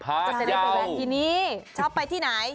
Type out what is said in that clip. พะยาวชอบไปที่นี่ชอบไปที่ไหน